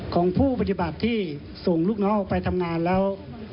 ของผู้ปฏิบัติที่ส่งลูกน้องออกไปทำงานแล้ว